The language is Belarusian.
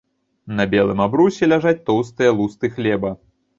На белым абрусе ляжаць тоўстыя лусты хлеба.